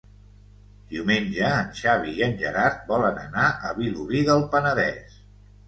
Diumenge en Xavi i en Gerard volen anar a Vilobí del Penedès.